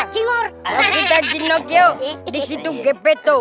kalau kita jinokio disitu gp tuh